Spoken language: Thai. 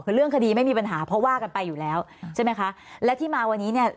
คือเรื่องคดีไม่มีปัญหาเพราะว่ากันไปอยู่แล้วใช่ไหมคะและที่มาวันนี้เนี่ย